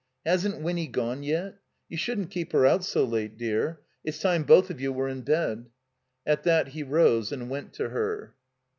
"Hasn't Winny gone yet? You shouldn't keep her out so late, dear. It's time both of you were in bed." At that he rose and went to her.